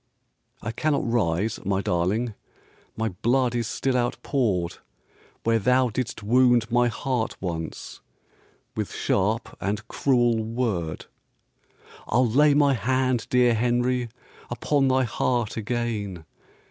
"I cannot rise, my darling, My blood is still outpoured Where thou didst wound my heart once With sharp and cruel word." "I'll lay my hand, dear Henry, Upon thy heart again.